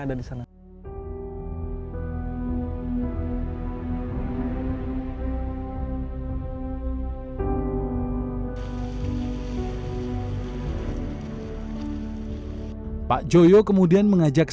dijual ke mana pak